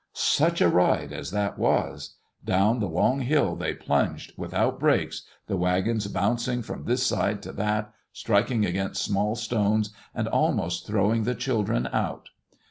Such a ride as that was I Down the long hill they plunged, without brakes, the wagons bouncing from this side to that, striking against small stones and almost throwing the children out.